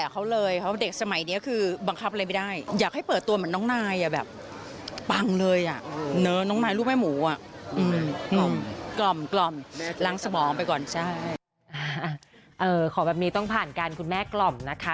ขอแบบนี้ต้องผ่านการคุณแม่กล่อมนะคะ